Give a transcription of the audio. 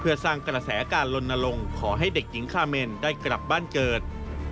เพื่อสร้างกระแสการลนลงขอให้เด็กหญิงคาเมนได้กลับบ้านเกิด